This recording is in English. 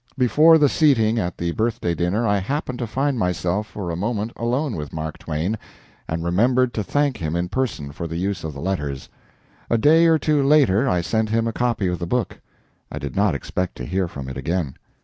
Before the seating at the birthday dinner I happened to find myself for a moment alone with Mark Twain and remembered to thank him in person for the use of the letters; a day or two later I sent him a copy of the book. I did not expect to hear from it again.